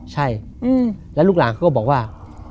ใช่แล้วลูกหลานเขาก็บอกว่า